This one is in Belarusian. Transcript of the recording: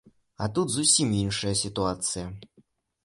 А тут зусім іншая сітуацыя.